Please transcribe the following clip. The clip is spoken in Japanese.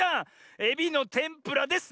エビのてんぷらです。